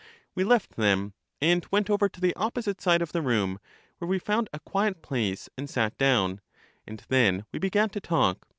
We left them, and went over to the opposite side of the room, where we found a quiet place, and sat down ; and then we began to talk.